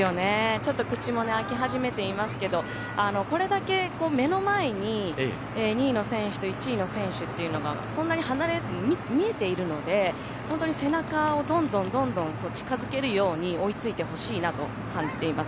ちょっと口もあき始めていますけどこれだけ目の前に２位の選手と１位の選手というのがそんなに離れず見えているので本当に背中をどんどん近づけるように追いついてほしいなと感じています。